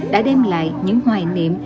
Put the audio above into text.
đã đem lại những hoài niệm